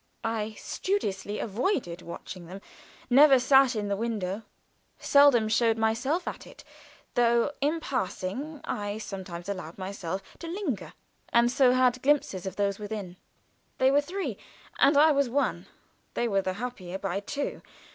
I studiously avoided watching them; never sat in the window; seldom showed myself at it, though in passing I sometimes allowed myself to linger, and so had glimpses of those within. They were three and I was one. They were the happier by two.